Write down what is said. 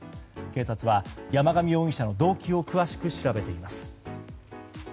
警察は山上容疑者の動機を詳しく調べています。